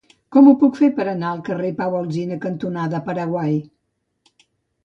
Com ho puc fer per anar al carrer Pau Alsina cantonada Paraguai?